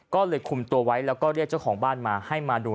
ก็เลยคุมตัวไว้แล้วก็เรียกเจ้าของบ้านมาให้มาดู